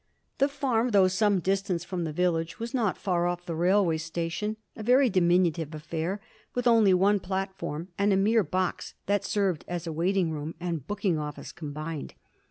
The farm, though some distance from the village, was not far off the railway station, a very diminutive affair, with only one platform and a mere box that served as a waiting room and booking office combined.